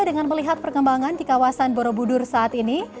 dengan melihat perkembangan di kawasan borobudur saat ini